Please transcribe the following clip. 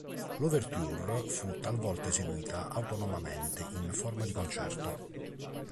L"'Ouverture" fu talvolta eseguita autonomamente in forma di concerto.